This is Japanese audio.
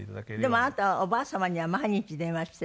でもあなたはおばあ様には毎日電話しているんですって？